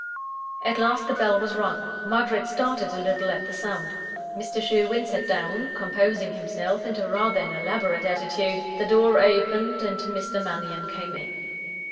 At last the bell was rung. Margaret started a little at the sound. Mr. Sherwin sat down; composing himself into rather an elaborate attitude the door opened, and Mr. Mannion came in.